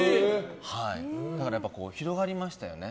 だから広がりましたよね。